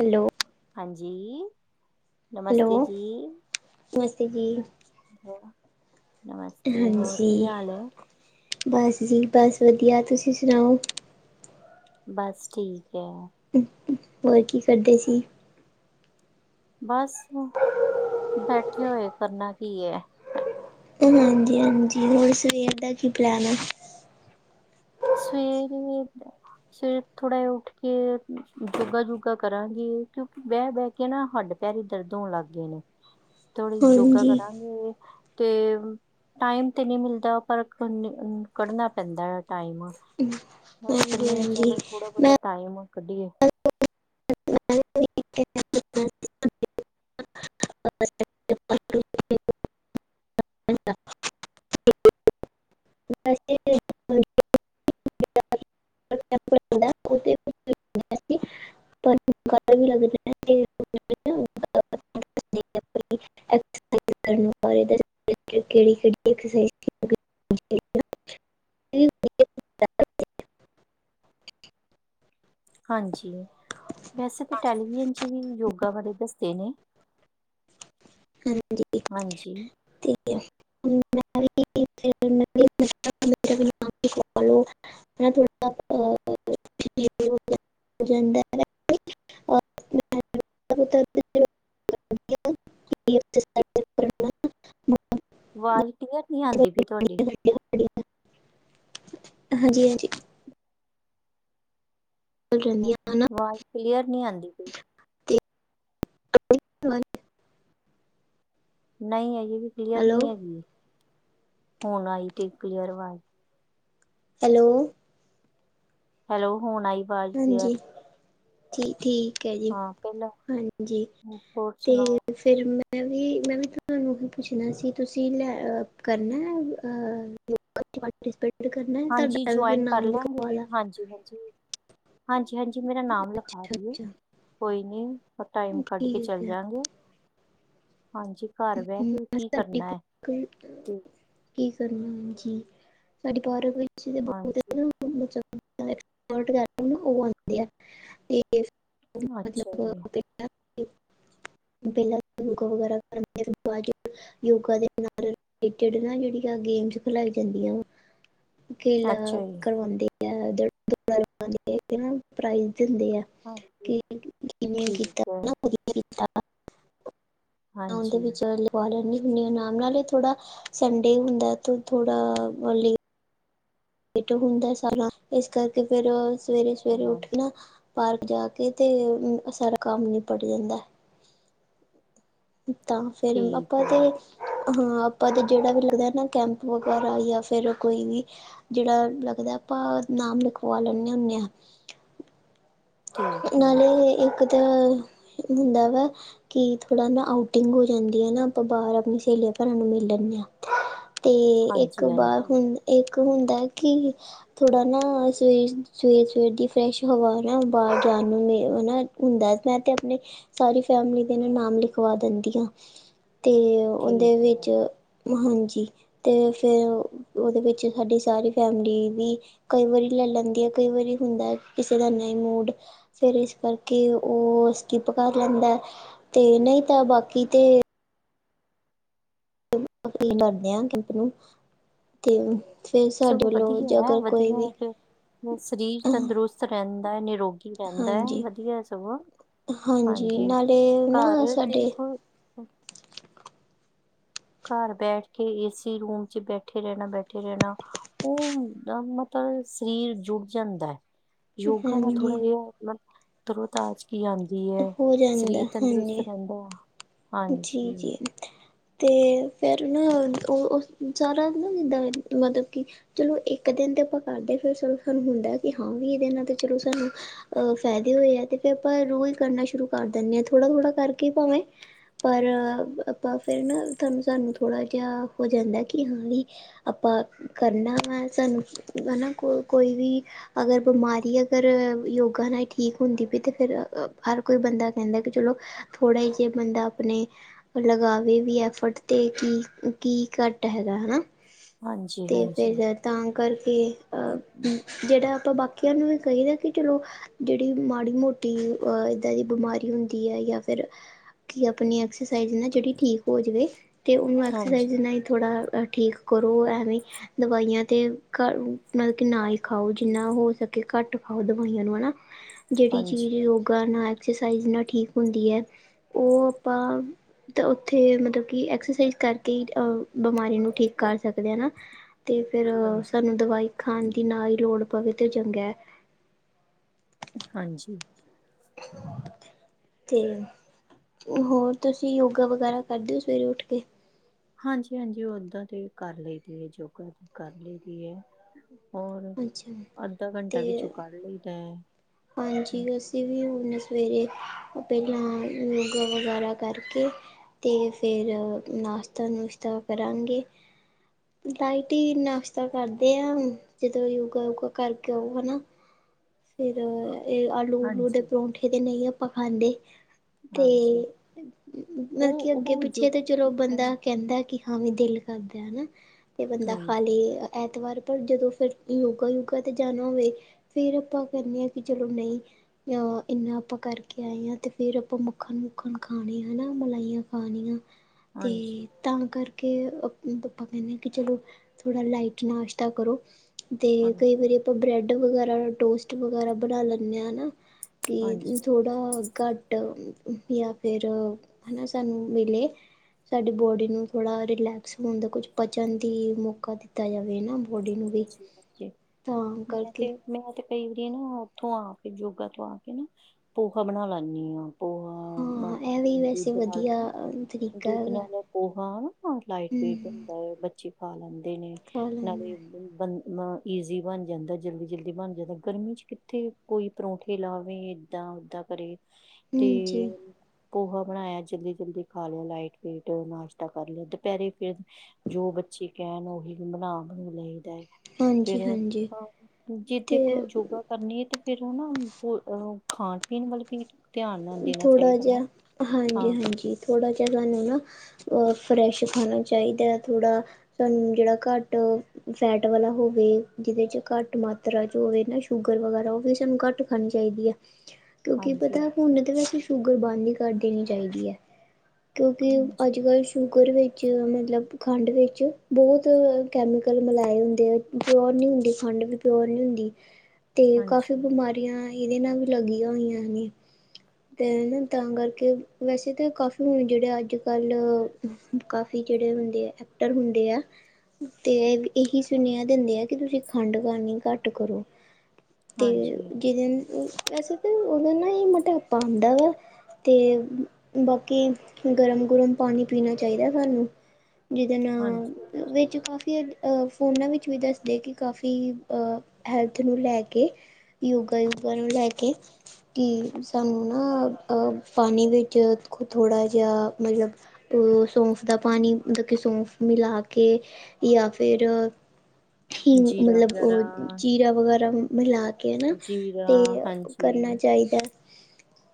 Hello ਹਾਂਜੀ hello ਨਮਸਤੇ ਜੀ ਨਮਸਤੇ ਜੀ ਨਮਸਤੇ ਹੋਰ ਹਾਂਜੀ ਕੀ ਹਾਲ ਹੈ। ਬਸ ਜੀ ਬਸ ਵਧੀਆ ਤੁਸੀਂ ਸੁਣਾਓ ਬਸ ਠੀਕ ਹੈ। ਹੋਰ ਕੀ ਕਰਦੇ ਸੀ। ਬਸ ਬੈਠੇ ਹੋਏ ਕਰਨਾ ਕੀ ਹੈ। ਹਾਂਜੀ ਹਾਂਜੀ ਹੋਰ ਸਵੇਰ ਦਾ ਕੀ ਪਲੈਨ ਆ [unintelligible] ਫਿਰ ਥੋੜਾ ਜਿਹਾ ਉੱਠ ਕੇ ਜੋੋਗਾ ਜੋਗਾ ਕਰਾਂਗੀ ਕਿਉਂਕਿ ਬਹਿ ਬਹਿ ਕੇ ਕੇ ਨਾ ਹੱਡ ਪੈਰ ਦਰਦ ਹੋਣ ਲੱਗ ਗਏ ਨੇ [unintelligible] ਥੋੜੀ ਯੋਗਾ ਹਾਂਜੀ ਕਰਾਂਗੇ ਤੇ ਟਾਈਮ ਤੇ ਨਹੀਂ ਮਿਲਦਾ ਪਰ ਕੱਢਨਾ ਪੈਂਦਾ ਹੈ ਟਾਈਮ ਬਸ ਹਾਂਜੀ ਕਹਿੰਦੀ ਹਾਂਜੀ ਚਲੋ ਥੋੜਾ ਬਹੁਤਾ ਮੈਂ ਟਾਈਮ ਕੱਢੀਏ [unintelligible] [unintelligible] [unintelligible] [unintelligible] [unintelligible] ਬਾਹਰ ਵੀ ਲਗਨੇ ਇੱਥੇ [unintelligible] ਕਿਹੜੀ ਕਿਹੜੀ ਐਕਸਰਸਾਈਜ਼ [unintelligible] [unintelligible] ਹਾਂਜੀ ਵੈਸੇ ਤਾਂ ਟੈਲੀਵਿਜ਼ਨ ' ਵੀ ਯੋਗਾ ਬਾਰੇ ਦੱਸਦੇ ਨੇ ਹਾਂਜੀ ਹਾਂਜੀ ਤੇ ਮੈਂ ਵੀ ਇਥੇ [unintelligible] [unintelligible] ਮੈਂ ਥੋੜਾ [unintelligible] [unintelligible] ਹੋ ਜਾਂਦਾ ਹੈ। ਔਰ ਮੈਂ ਕੀ [unintelligible] ਆਵਾਜ਼ ਕਲੀਅਰ ਨਹੀਂ ਬਹੁਤ ਆਉਂਦੀ ਪਈ ਤੁਹਾਡੀ ਵਧੀਆ ਹੱਡੀਆਂ ਹੱਡੀਆਂ ਹਾਂਜੀ ਹਾਂਜੀ ਚੱਲ ਰਹਿੰਦੀਆਂ ਹਨਾ ਆਵਾਜ਼ ਕਲੀਅਰ ਨੀ ਆਉਂਦੀ ਪਈ ਤੇ [unintelligible] ਨਹੀਂ ਆਈ ਹਜੇ ਵੀ ਕਲੀਅਰ ਹੈਲੋ ਨਹੀਂ ਹੈਗੀ ਹੁਣ ਆਈ ਤੇ ਕਲੀਅਰ ਆਵਾਜ਼ ਹੈਲੋ ਹੈਲੋ ਹੁਣ ਆਈ ਆਵਾਜ਼ ਹਾਂਜੀ ਕਲੀਅਰ ਠੀ ਠੀਕ ਠੀਕ ਹੈ ਜੀ ਹਾਂ ਪਹਿਲਾਂ ਹਾਂਜੀ ਹੋਰ ਤੇ ਸੁਣਾਓ ਫਿਰ ਮੈਂ ਵੀ ਮੈਂ ਵੀ ਤੁਹਾਨੂੰ ਹੀ ਪੁੱਛਣਾ ਸੀ ਤੁਸੀਂ ਲੈ ਕਰਨਾ ਆ [unintelligible] ਹਾਂਜੀ ਜੁਆਇਨ ਕਰ ਲਾਂਗੇ ਲਾ ਹਾਂਜੀ ਹਾਂਜੀ ਹਾਂਜੀ ਹਾਂਜੀ ਮੇਰਾ ਨਾਮ ਲਿਖਾ ਅੱਛਾ ਦਿਓ ਅੱਛਾ ਕੋਈ ਨੀ ਪਰ ਟਾਈਮ ਕੱਢ ਕੇ ਠੀਕ ਚੱਲ ਹੈ ਜਾਗੇ ਹਾਂਜੀ ਘਰ ਬਹਿ ਕੇ ਵੀ ਕੀ ਬਸਡੀ ਕਰਨਾ ਹੈ ਤੇ [unintelligible] ਕੀ ਕਰਨਾ ਹਾਂ ਜ ਤੁਹਾਡੀ ਪਾਰ ਹਾਂਜੀ ਉਹ ਆਉਂਦੇ ਆ ਤੇ ਅੱਛਾ ਮਤਲਬ ਜੀ ਕੇ ਪੈਲਾਂ ਵੀ ਗੋ ਵਗੈਰਾ [unintelligible] ਯੋਗਾ ਦੇ ਨਾਲ ਰਿਲੇਟਿਡ ਨਾ ਜਿਹੜੀਆਂ ਗੇਮਸ ਖਿਲਾਈ ਜਾਂਦੀਆਂ ਵਾ। ਖੇਲਾ ਅੱਛਾ ਜੀ ਕਰਵਾਉਂਦੇ ਆ ਦੁੜਾ, ਦੁੜਾ ਕੇ ਪ੍ਰਾਈਜ਼ ਦਿੰਦੇ ਆ। ਹਾਂਜੀ ਕਿ ਕਿਵੇਂ ਕੀਤਾ। ਠੀਕ ਹੈ ਆਉਂਦੇ ਹਾਂਜੀ ਵਿਚਾਰ ਲੇ ਲੈਂਦੀ ਹੁੰਦੀ ਹ ਅਰਾਮ ਨਾਲ ਇਹ ਥੋੜਾ ਸੰਡੇ ਹੁੰਦਾ ਤੇ ਥੋੜਾ ਹੋਲੀ ਲੇਟ ਹੁੰਦਾ ਸਾਰਾ ਇਸ ਕਰਕੇ ਫੇਰ ਸਵੇਰੇ, ਸਵੇਰੇ ਹਾਂ ਉੱਠਣਾ ਪਾਰਕ ਜਾ ਕੇ ਤੇ ਸਾਰਾ ਕੰਮ ਨਿਪਟ ਜਾਂਦਾ। ਤਾਂ ਫੇਰ ਠੀਕ ਆਪਾਂ ਤੇ ਹੈ ਹਾਂ ਆਪਾਂ ਤੇ ਜਿਹੜਾ ਵੀ ਲੱਗਦਾ ਨਾ ਕੈਂਪ ਵਗੈਰਾ ਜਾਂ ਫਿਰ ਕੋਈ ਵੀ ਜਿਹੜਾ ਲੱਗਦਾ ਆਪਾਂ ਨਾਮ ਲਿਖਵਾ ਲੈਂਣੇ ਹੁੰਦੇ ਆ। ਠੀਕ ਹੈ ਨਾਲੇ ਇੱਕ ਤਾਂ ਹੁੰਦਾ ਵਾ। ਕਿ ਥੋੜ੍ਹਾ ਨਾ ਆਊਟਿੰਗ ਹੋ ਜਾਂਦੀ ਹੈ ਨਾ, ਆਪਾਂ ਬਾਹਰ ਆਪਣੀ ਸਹੇਲੀਆਂ ਭਰਾਂ ਨੂੰ ਮਿਲ ਲੈਂਣੇ ਹਾਂ। ਤੇ ਹਾਂਜੀ ਇੱਕ ਬਾਰ ਹਾਂਜੀ ਹੁਣ ਇੱਕ ਹੁੰਦਾ ਕਿ ਥੋੜ੍ਹਾ ਨਾ ਸਵੇਰ, ਸਵੇਰ ਸਵੇਰ ਦੀ ਫਰੈਸ਼ ਹਵਾ ਨਾ ਬਾਰ ਜਾਣ ਨੂੰ ਹਨਾ ਹੁੰਦਾ ਮੈਂ ਤੇ ਆਪਣੇ ਸਾਰੀ ਫੈਮਿਲੀ ਦੇ ਨਾਲ ਨਾਮ ਲਿਖਵਾ ਦਿੰਦੀ ਆ, ਤੇ ਉਹਦੇ ਠੀਕ ਵਿੱਚ ਹੈ ਹਾਂਜੀ, ਤੇ ਫਿਰ ਉਹਦੇ ਵਿੱਚ ਸਾਡੀ ਸਾਰੀ ਫੈਮਿਲੀ ਵੀ ਕਈ ਵਾਰੀ ਲੈ ਲੈਂਦੀ ਹੈ ਕਈ ਵਾਰੀ ਹੁੰਦਾ ਕਿਸੇ ਦਾ ਨਹੀਂ ਮੂਡ ਫਿਰ ਇਸ ਕਰਕੇ ਉਹ ਸਕਿਪ ਕਰ ਲੈਂਦਾ। ਤੇ ਨਹੀਂ ਤਾਂ ਬਾਕੀ ਤੇ [unintelligible] ਕਰਦੇ ਆ ਕੈੰਪ ਨੂੰ ਤੇ ਫਿਰ ਸਾਡੇ ਸਗੋ ਵੱਲੋਂ ਵਧੀਆ ਜੇ ਹੈ ਅਗਰ ਕੋਈ ਵਧੀਆ ਵੀ ਫੇਰ ਸਰੀਰ ਤੰਦਰੁਸਤ ਰਹਿੰਦਾ ਹੈ। ਨਿਰੋਗ ਕੀ ਰਹਿੰਦਾ ਹੈ, ਹਾਂਜੀ ਵਧੀਆ ਸਗੋਂ ਹਾਂਜੀ ਨਾਲੇ ਨਾ ਘਰ ਤੇ ਸਾਡੇ ਦੇਖੋ ਘਰ ਬੈਠ ਕੇ ਏਸੀ ਰੂਮ ਚ ਬੈਠੇ ਰਹਿਣਾ, ਬੈਠੇ ਰਹਿਣਾ। ਔਹ ਹੁੰਦਾ ਮਤਲਬ ਸਰੀਰ ਜੁੜ ਜਾਂਦਾ ਹੈ। ਯੋਗਾ ਦਾ ਹਾਂਜੀ ਥੋੜਾ ਇਹ ਮਤ ਤਰੋਤਾਜ ਗੀ ਆੰਦੀ ਹੈ, ਹੋ ਜਾਂਦਾ ਸਰੀਰ ਤੰਦਰੁਸਤ ਹਾਂਜੀ ਰਹਿੰਦਾ। ਜੀ, ਹਾਂਜੀ ਜੀ। ਤੇ ਫੇਰ ਨਾ ਔਹ, ਔਹ ਜਾਦਾਂ ਨੀ ਹੂੰਦਾ ਮਤਲਬ ਕਿ ਚਲੋ ਇੱਕ ਦਿਨ ਤੇ ਆਪਾਂ ਕਰਦੇ ਫਿਰ ਚਲੋ ਸਾਨੂੰ ਹੁੰਦਾ ਕਿ ਹਾਂ ਵੀ ਇਹਦੇ ਨਾਲ ਤੇ ਚਲੋ ਸਾਨੂੰ ਅਹ ਫਾਇਦੇ ਹੋਏ ਆ ਤੇ ਫਿਰ ਆਪਾਂ ਰੋਜ਼ ਕਰਨਾ ਸ਼ੁਰੂ ਕਰ ਦਿੰਦੇ ਹਾਂ ਥੋੜਾ, ਥੋੜਾ ਕਰਕੇ ਭਾਵੇਂ ਪਰ ਆਪਾਂ ਫੇਰ ਨਾ ਤੁਹਾਨੂੰ, ਸਾਨੂੰ ਥੋੜ੍ਹਾ ਜਿਹਾ ਹੋ ਜਾਂਦਾ ਕਿ ਹਾਂਜੀ ਆਪਾਂ ਕਰਨਾ ਵਾ, ਸਾਨੂੰ ਹੈ ਨਾ ਕੋ ਕੋਈ ਵੀ ਅਗਰ ਬਿਮਾਰੀ ਅਗਰ ਯੋਗਾ ਨਾਲ ਠੀਕ ਹੁੰਦੀ ਪੀ ਤੇ ਫੇਰ ਹਰ ਕੋਈ ਬੰਦਾ ਕਹਿੰਦਾ ਕਿ ਚਲੋ ਥੋੜਾ ਹੀ ਜੇ ਬੰਦਾ ਆਪਣੇ ਲਗਾਵੇ ਵੀ ਐਫਰਟ ਤੇ ਕੀ ਕੀ ਘੱਟ ਹੈਗਾ ਹੈਨਾ। ਹਾਂਜੀ ਤੇ, ਹਾਂਜੀ ਫਿਰ ਤਾਂ ਕਰਕੇ ਅਹ ਜਿਹੜਾ ਆਪਾਂ ਬਾ ਕਿਯਾਂ ਨੂ ਵੀ ਕਈਦਾ ਕਿ ਚਲੋ ਜਿਹੜੀ ਮਾੜੀ- ਮੋਟੀ ਇੱਦਾਂ ਦੀ ਬਿਮਾਰੀ ਹੁੰਦੀ ਹੈ। ਜਾ ਫੇਰ ਆਪਣੀ ਐਕਸਰਸਾਈਜ਼ ਨਾ ਜਿਹੜੀ ਠੀਕ ਹੋ ਜਾਵੇ। ਤੇ ਉਹਨੂੰ ਐਕਸਰਸਾਈਜ਼ ਹਾਂਜੀ ਜੀੰਨਾ ਈ [unintelligible] ਦਵਾਈਆਂ ਤੇ ਮਤਲਬ, ਕਿ ਨਾ ਹੀ ਖਾਓ ਜਿੰਨਾ ਹੋ ਸਕੇ। ਘੱਟ ਖਾਓ ਦਵਾਈਆਂ ਨੂੰ ਹੈਨਾ। ਜਿਹੜੀ ਹਾਂਜੀ, ਚੀਜ਼ ਯੋਗਾ ਨਾਲ, ਐਕਸਰਸਾਈਜ਼ ਨਾਲ ਠੀਕ ਹੁੰਦੀ ਹੈ। ਔਹ ਔਥੇ, ਮਤਲਬ ਕਿ ਐਕਸਰਸਾਈਜ਼ ਕਰਕੇ ਆਹ ਬਿਮਾਰੀ ਨੂੰ ਠੀਕ ਕਰ ਸਕਦੇ ਹਨਾ, ਤੇ ਫਿਰ ਹਾਂਜੀ, ਸਾਨੂੰ ਦਵਾਈ ਖਾਣ ਦੀ ਨਾ ਹੀ ਲੋੜ [unintelligible] ਹਾਂਜੀ। [inaudible] ਤੇ, ਹੋਰ, ਤੁਸੀਂ ਯੋਗਾ ਵਗੈਰਾ ਕਰਦੇ ਓ, ਸਵੇਰੇ ਉੱਠ ਕੇ? ਹਾਂਜੀ-ਹਾਂਜੀ, ਓਦਾਂ ਤੇ ਕਰ ਲਈ ਦੀ ਐ, ਜੋਗਾ ਕਰ ਲਈ ਦੀ ਐ ਹੋਰ, ਅੱਛਾ ਅੱਧਾ-ਘੰਟਾ ਤੇ ਵਿੱਚੋਂ ਕਰ ਲਈਦਾ ਐ ਹਾਂਜੀ, ਅਸੀਂ ਵੀ ਹੁਣ ਸਵੇਰੇ ਪਹਿਲਾਂ, [inaudible] ਵਗੈਰਾ ਕਰਕੇ ਤੇ, ਫਿਰ ਨਾਸ਼ਤਾ-ਨੁਸ਼ਤਾ ਕਰਾਂਗੇ ਡਾਈਟ ਈ, ਨਾਸ਼ਤਾ ਕਰਦੇ ਆ, ਜਦੋਂ ਯੋਗਾ-ਯੁਗਾ ਕਰਕੇ ਆਓ, ਹਨਾ ਏ, ਆਲੂ-ਉਲੂ ਦੇ ਹਾਂਜੀ। ਪਰੋਠੇ, ਤੇ ਨਈ ਆਪਾਂ ਖਾਂਦੇ। ਤੇ, ਹਾਂਜੀ ਮਤਲਬ ਕੀ, ਓ-ਓ ਅੱਗੇ, ਜੋ ਪਿੱਛੇ ਤੇ ਚਲੋ ਬੰਦਾ ਹਾਂਜੀ, ਕੈਂਦਾ ਕਿ ਹਾ, ਵੀ ਦਿਲ ਕਰਦਾ ਹੈਨਾ, ਤੇ ਬੰਦਾ ਹਾਂਜੀ। ਖਾਲੀ ਐਤਵਾਰ, ਪਰ ਜਦੋਂ ਫਿਰ ਯੋਗਾ-ਯੁਗਾ ਤੇ ਜਾਨਾ ਹੋਵੇ, ਫਿਰ ਆਪਾਂ ਕੈਨੇ ਆ ਵੀ, ਚਲੋ ਨਈ ਅ, ਇਨਾ ਆਪਾਂ ਕਰਕੇ ਆਏ ਆ, ਤੇ ਫੇਰ ਆਪਾਂ ਮੱਖਣ-ਮੁੱਖਣ ਖਾਣੇ ਆ ਨਾ, ਮਲਾਈਆਂ ਖਾਣੀਆਂ, ਤੇ ਹਾਂਜੀ, ਤਾਂ, ਕਰਕੇ, ਆਪਾ ਕੈਨੇ ਆ, ਕੇ ਚਲੋ, ਥੋੜਾ ਲਾਈਟ ਨਾਸ਼ਤਾ ਕਰੋ ਤੇ, ਕਈ ਹਾਂਜੀ। ਵਾਰੀ ਆਪਾਂ ਬ੍ਰੈਡ ਵਗੈਰਾ, ਟੋਸਟ ਵਗੈਰਾ, ਬਣਾ ਲੈਂਨੇ ਆ, ਨਾ [unintelligible] ਤਾ, ਘੱਟ ਜਾ ਫੇਰ ਹੈਨਾ, ਸਾਨੂੰ ਮਿਲੇ ਸਾਡੀ ਬੋਡੀ ਨੂੰ ਥੋੜ੍ਹਾ ਰਿਲੈਕਸ [unintelligible] ਦਾ, ਕੁਝ ਪਚਣ ਦੀ ਮੌਕਾ ਦਿੱਤਾ ਜਾਵੇ ਨਾ, ਬੋਡੀ ਨੂੰ ਵੀ [inaudible] ਤਾਂ ਮੈਂ, ਕਰਕੇ ਤੇ ਮੈਂ ਤੇ, ਕਈ ਵਾਰੀ ਨਾ, ਉੱਥੋਂ ਆ ਕੇ, ਜੋਗਾ ਤੋਂ ਆ ਕੇ ਨਾ, ਪੋਹਾ ਬਣਾ ਲੈਂਨੀ ਆ, ਪੋਹਾ ਹਾਂ ਇਹ ਵੀ [inaudible] ਵੈਸੇ ਦੁੱਧ ਨਾਲ ਵਧੀਆ ਨਾ, ਤਰੀਕਾ ਦੁੱਧ ਹੈਗਾ ਨਾਲ ਪੋਹਾ ਲਾਈਟ ਵੇਟ ਹਮ ਹੁੰ ਬੱਚੇ ਖਾ ਲੈਂਦੇ ਨੇ, ਖਾ ਲੈਂਦੇ ਨਾਲੇ ਈਜ਼ੀ ਬਨ ਜਾਂਦਾ, ਜਲਦੀ- ਜਲਦੀ ਬਨ ਜਾਂਦਾ, ਗਰਮੀ 'ਚ ਕਿੱਥੇ ਕੋਈ ਪਰੌਂਠੇ ਲਾਵੇ। ਤਾ, ਓਦਾਂ ਕਰੇ, ਤੇ ਹਾਂਜੀ ਪੋਹਾ ਬਣਾਇਆ, ਜਲਦੀ- ਜਲਦੀ ਖਾ ਲੋ, ਲਾਈਟ ਵੇਟ ਨਾਸ਼ਤਾ ਕਰ ਲਿਆ, ਦਪੈਰੇ ਫੇਰ ਜੋ ਬੱਚੇ ਕਹਿਣ, ਉਹੀ ਬਣਾ- ਬਣੁ ਲਈਦਾ ਏ। ਫਿਰ, ਹਾਂਜੀ ਹਾਂਜੀ ਹਾਂ, ਜੇ ਅਤੇ ਦੇਖੋ, ਜੋਗਾ ਹਰਨੀਤ, ਫੇਰ ਨਾ, [inaudible] ਖਾਣ- ਪੀਣ ਵਲ [inaudible] ਥੋੜਾ ਜੇਹਾ, ਹਾਂ ਹਾਂਜੀ-ਹਾਂਜੀ, ਥੋੜ੍ਹਾ ਜੇਹਾ, ਸਾਨੂੰ ਨਾ ਅ, ਫਰੇਸ਼ ਖਾਨਾ ਚਾਈਦਾ ਐ, ਥੋੜ੍ਹਾ, ਜੇਹੜਾ ਘੱਟ ਫੈਟ ਵਾਲਾ ਹੋਵੇ, ਜੀਦੇ 'ਚ ਘੱਟ ਮਾਤਰਾ'ਚ ਹੋਵੇ ਨਾ, ਸ਼ੂਗਰ ਵਗੈਰਾ, ਉਹ ਵੀ ਸਾਨੂੰ ਘੱਟ ਖਾਣੀ ਚਾਈਦੀ ਐ। ਕਿਉਂਕਿ, ਹਾਂਜੀ ਪਤਾ ਹੁਨ ਤਾਂ ਵੈਸੇ ਸ਼ੂਗਰ ਬੰਦ ਈ ਕਰ ਦੇਨੀ ਚਾਈਦੀ ਐ ਕਿਉਂਕਿ, ਹਾਂਜੀ ਅੱਜ-ਕੱਲ੍ਹ ਸ਼ੂਗਰ ਵੀ ਚ' ਮਤਲਬ, ਖੰਡ ਵਿੱਚ ਬੋਤ ਕੈਮੀਕਲ ਮਿਲਾਏ ਹੁੰਦੇ ਐ, ਪਿਓਰ ਨੀ ਹੁੰਦੀ ਖੰਡ ਪਓਰ ਨੀ ਹੁੰਦੀ, ਤੇ ਕਾਫ਼ੀ ਹਾਂਜੀ, ਬਮਾਰੀਆਂ ਹੀ ਈਦੇ ਨਾਲ ਲੱਗੀਆਂ ਹੋਈਆਂ ਨੇ ਤਾਂ ਕਰਕੇ ਵੈਸੇ ਤਾਂ ਕਾਫੀ ਹੁਨ ਜਿਹੜੇ ਅੱਜ ਕੱਲ੍ਹ ਕਾਫੀ ਜੇੜੇ ਹੁੰਦੇ ਐ, ਐਕਟਰ ਹੁੰਦੇ ਐ ਤੇ, ਏਹੀ ਸੁਨੇਆ ਦਿੰਦੇ ਐ, ਕਿ ਤੁਸੀਂ ਖੰਡ ਵਰਨੀ ਘੱਟ ਕਰੋ ਤੇ, ਹਾਂਜੀ, ਜੀਦੇ ਵੈਸੇ ਤਾਂ, ਉਦੇ ਨਾ ਈ ਮੋਟਾਪਾ ਹੁੰਦਾ ਵੈ ਤੇ, ਬਾਕੀ ਗਰਮ ਗਰਮ, ਪਾਣੀ ਪੀਣਾ ਚਾਈਦਾ ਹਾਨੂੰ ਜੀਦੇ ਨਾ ਹਾਂਜੀ, ਵਿੱਚ ਹਾਂਜੀ ਕਾਫੀ ਅ, ਫੋਨਾਂ ਵਿੱਚ ਵੀ ਦੱਸਦੇ, ਕਿ ਕਾਫੀ ਅ ਹੈਲਥ ਨੂੰ ਲੈ ਕੇ ਯੋਗਾ ਯੁਗਾ, ਨੂੰ ਲੈ ਕੇ, ਕੀ ਸਾਨੂੰ ਨਾ, ਅ ਪਾਣੀ ਵਿੱਚ ਥੋੜ੍ਹਾ ਜੇਆ ਮਤਲਬ ਤੇ, ਸੌਂਫ ਦਾ ਪਾਣੀ, ਮਤਲਬ ਕਿ ਸੌਂਫ ਮਿਲਾ ਕੇ ਯਾ, ਫਿਰ ਹੀਨ, ਜੀਰਾ ਮਲਬ ਓ, ਵਗੈਰਾ ਜੀਰਾ ਵਗੈਰਾ ਹਾਂਜੀ, ਮਿਲਾ ਕੇ ਹੈਨਾ, ਜੀਰਾ ਤੇ ਹਾਂਜੀ ਕਰਨਾ ਚਾਈਦਾ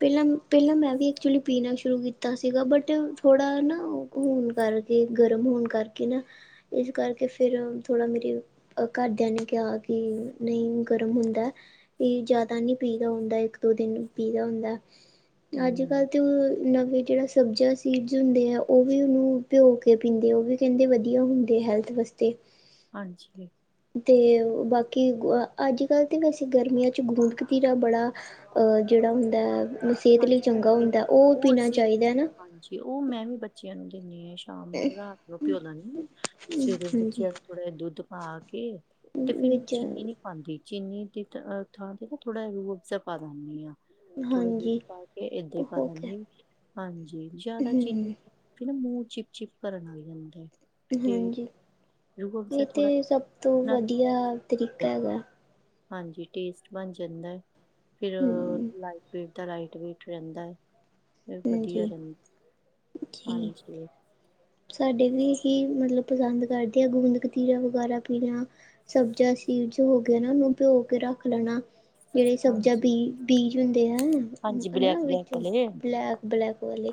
ਪੈਲਾਂ ਮੈ ਪੈਲਾ ਮੈਂ ਵੀ ਐਚੁਲੀ ਪੀਣਾ ਸ਼ੁਰੂ ਕੀਤਾ ਸੀਗਾ ਬਟ ਥੋੜ੍ਹਾ ਨਾ ਓ ਹੋਨ ਕਰਕੇ ਗਰਮ, ਹੋਣ ਕਰਕੇ ਨਾ, ਇਸ ਕਰਕੇ ਫੇਰ ਥੋੜ੍ਹਾ ਮੇਰੇ ਅ ਘਰਦਿਆਂ ਨੇ ਕਿਆ ਕੀ ਨਈ ਗਰਮ ਹੁੰਦੈ। ਏ ਜਾਦਾ ਨੀ ਪੀਦਾ ਹੁੰਦਾ ਇੱਕ ਦੋ ਦਿਨ ਪੀਦਾ ਹੁੰਦਾ ਅੱਜ ਹੂੰ ਕੱਲ੍ਹ ਤੇ ਨਵੇਂ ਜੇੜਾ ਸਬਜ਼ੀਆਂ ਸੀਡਜ਼ ਹੁੰਦੇ ਆ ਓ ਵੀ ਉਨੂੰ ਭਿਓ ਕੇ ਪੀਂਦੇ ਆ ਓ ਵੀ। ਕੈਂਦੇ ਵਧੀਆ ਹੁੰਦੇ ਹੈਲਥ ਵਾਸਤੇ। ਹਾਂਜੀ। ਤੇ ਬਾਕੀ ਗੂ ਅੱਜ ਕੱਲ੍ਹ ਤਾਂ ਵੈਸੇ ਗਰਮੀਆਂ ਚ ਗੂੰਦਕਤੀਰਾ ਬੜਾ ਓ ਜੇੜਾ ਹੁੰਦਾ ਸੇਹਤ ਲਈ ਹਾਂਜੀ, ਚੰਗਾ ਹੁੰਦੈ ਓ ਪੀਣਾ ਚਾਈਦੈ ਨਾ। ਤੇ ਓ ਮੈਂ ਵੀ ਬੱਚਿਆਂ ਨੂੰ ਦਿੰਨੀ ਆ ਸ਼ਾਮ ਨੂੰ ਰਾਤ ਨੂੰ ਪਿਓ ਲਨੀ ਆ ਸਵੇਰੇ ਹਾਂਜੀ ਬੱਚਿਆਂ ਥੋੜਾ ਜਾ ਦੁੱਧ ਪਾ ਕੇ ਤੇ ਫਿਰ ਮੈਂ ਵਿੱਚ ਚੀਨੀ ਨੀ ਹਾਂਜੀ ਚੀਨੀ ਦੀ ਥਾਂ ਤੇ ਨਾ ਥੋੜ੍ਹਾ ਜ ਰੂਅਬਜ਼ਾ ਪਾ ਦਨੀ ਆ। ਹਾਂਜੀ। ਪਾਕੇ ਏਦਾਂ ਈ ਪਾ ਹੋ ਗਿਆ ਦਨੀ ਹਾਂਜੀ ਜਾਦਾ ਚੀਨੀ ਹੂੰ ਫੇ ਨਾ ਮੂੰਹ ਚਿਪ ਚਿਪ ਕਰਨ ਲਗ ਜਾਂਦੈ। ਹਾਂਜੀ ਏ ਥੋੜਾ ਤੇ ਸਭ ਤੋਂ ਨਾ ਵਧੀਆ ਤਰੀਕਾ ਹੈਗਾ। ਹਾਂਜੀ ਟੇਸਟ ਬਣ ਜਾਂਦੈ ਫਿਰ ਹੂੰ ਲਾਈਟ ਵੇਟ ਦਾ ਲਾਈ ਵੈਟ ਰੈਂਦੈ ਤੇ ਵਧੀਆ ਹਾਂਜੀ ਰੈਂ ਜੀ ਹਾਂਜੀ। ਸਾਡੇ ਵੀ ਏਹੀ ਮਤਲਬ ਪਸੰਦ ਕਰਦੇ ਆ ਗੁੰਦਕਤੀਰਾ ਵਗੈਰਾ ਪੀਣਾ। ਸਬਜ਼ਾ ਸੀਡਜ਼ ਹੋ ਗੇ ਓਨਾ ਨੂੰ ਭਿਓ ਕੇ ਰੱਖ ਲੈਣਾ। ਜੇੜ੍ਹੇ ਸਬਜ਼ਾ ਹਾਂਜੀ ਬੀ ਬੀਜ ਹੁੰਦੇ ਆ ਹਾਂਜੀ ਹਨਾ ਬਲੈਕ ਬਲੈਕ ਵਿੱਚੋਂ ਵਾਲੇ ਬਲੈਕ ਬਲੈਕ ਵਾਲੇ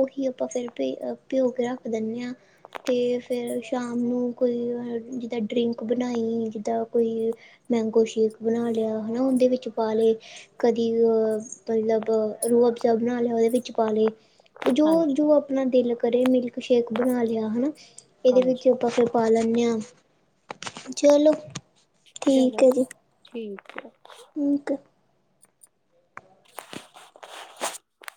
ਓਹੀ ਆਪਾਂ ਫਿਰ ਪੀ ਪਿਓ ਕੇ ਰੱਖ ਦਨੇ ਆ। ਤੇ ਫੇਰ ਸ਼ਾਮ ਨੂੰ ਕੋਈ ਜਿੱਦਾਂ ਡਰਿੰਕ ਬਣਾਈ ਜਿੱਦਾਂ ਕੋਈ ਮੈਂਗੋ ਸ਼ੇਕ ਬਣਾ ਲਿਆ ਹਨਾ ਉਦੇ ਵਿੱਚ ਪਾਲੇ। ਕਦੀ ਅ ਮਤਲਬ ਰੋਜ ਨਾਲ ਓਦੇ ਵਿੱਚ ਪਾਲੇ ਪਰ ਜੌ ਜੋ ਹਾਂਜੀ ਆਪਣਾ ਦਿਲ ਕਰੇ ਮਿਲਕ ਸ਼ੇਕ ਬਣਾ ਲਿਆ ਹਨਾ ਇਦੇ ਹਾਂਜੀ ਵਿੱਚ ਆਪਾਂ ਫਿਰ ਪਾ ਲਨੇ ਆ ਚਲੋ। ਚਲੋ ਠੀਕ ਆ। ਠੀਕ ਆ।